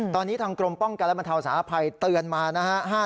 ตอนนี้ทางกรมป้องกันและบรรเทาสาธาภัยเตือนมานะฮะ